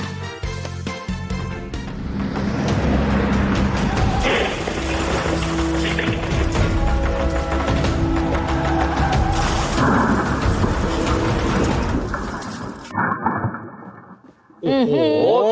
โอ้โหพูดเต็ม